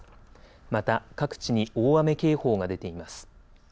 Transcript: また各地に大雨警報が出ています。